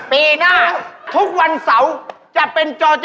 ปีหน้าทุกวันเสาร์